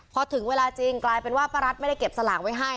พอถึงเวลาจริงกลายเป็นว่าป้ารัฐไม่ได้เก็บสลากไว้ให้